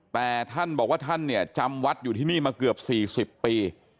แต่ท่านบอกว่าท่านเนี่ยจำวัดอยู่ที่นี่มาเกือบ๔๐ปี